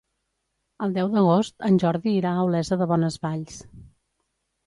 El deu d'agost en Jordi irà a Olesa de Bonesvalls.